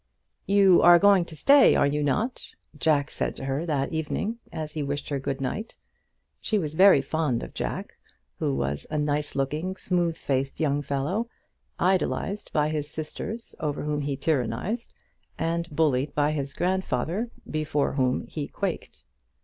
"You are going to stay, are you not?" Jack said to her that evening, as he wished her good night. She was very fond of Jack, who was a nice looking, smooth faced young fellow, idolised by his sisters over whom he tyrannised, and bullied by his grandfather, before whom he quaked.